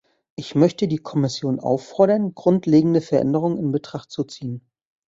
Ich möchte die Kommission auffordern, grundlegende Veränderungen in Betracht zu ziehen.